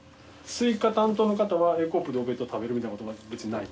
スイカ担当の方はＡコープでお弁当食べるみたいなことは別にない？